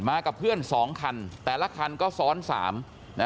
มากับเพื่อน๒คันแต่ละคันก็ซ้อน๓